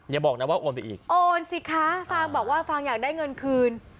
อย่าบอกนะว่าโอนไปอีกโอนสิคะฟางบอกว่าฟางอยากได้เงินคืน